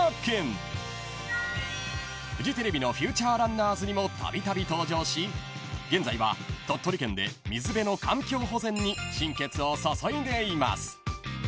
［フジテレビの『フューチャーランナーズ』にもたびたび登場し現在は鳥取県で水辺の環境保全に心血を注いでいます］